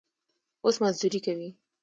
اوس مزدوري کوي.